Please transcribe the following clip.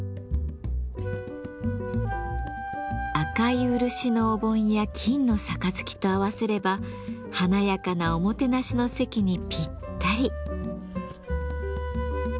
赤い漆のお盆や金の盃と合わせれば華やかなおもてなしの席にぴったり。